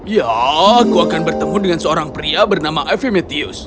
ya aku akan bertemu dengan seorang pria bernama avimetius